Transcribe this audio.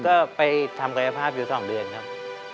ก็ไปทำกายภาพอยู่๒เดือนครับ